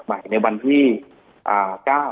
จนถึงปัจจุบันมีการมารายงานตัว